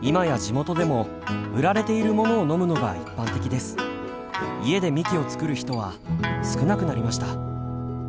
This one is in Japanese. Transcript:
家でみきを作る人は少なくなりました。